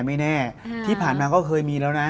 ไม่แน่ที่ผ่านมาก็เคยมีแล้วนะ